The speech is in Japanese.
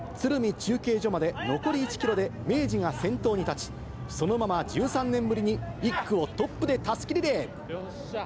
中継所まで残り１キロで明治が先頭に立ち、そのまま１３年ぶりに１区をトップでたすきリレー。